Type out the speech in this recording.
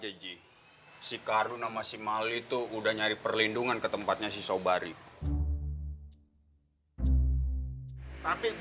hai si karena masih mal itu udah nyari perlindungan ke tempatnya sesopar ribu